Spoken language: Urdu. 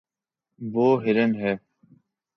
وہ ہرن ہے